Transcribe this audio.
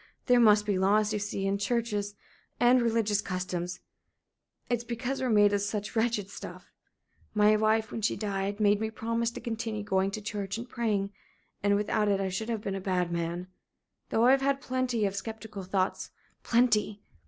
There must be laws, you see and churches and religious customs. It's because we're made of such wretched stuff. My wife, when she died made me promise to continue going to church and praying. And without it I should have been a bad man. Though I've had plenty of sceptical thoughts plenty.